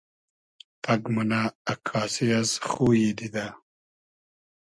پئگ مونۂ اککاسی از خویی دیدۂ